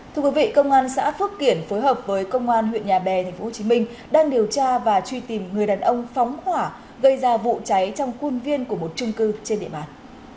thưa quý vị công an xã phước kiển phối hợp với công an huyện nhà bè tp hcm đang điều tra và truy tìm người đàn ông phóng hỏa gây ra vụ cháy trong khuôn viên của một trung cư trên địa bàn